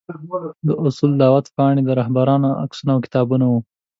د اصول دعوت پاڼې، د رهبرانو عکسونه او کتابونه وو.